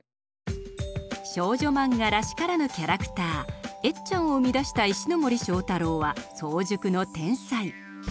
少女漫画らしからぬキャラクターエッちゃんを生み出した石森章太郎は早熟の天才。